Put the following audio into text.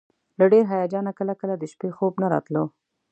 له ډېر هیجانه کله کله د شپې خوب نه راتللو.